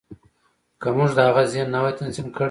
که موږ د هغه ذهن نه وای تنظيم کړی.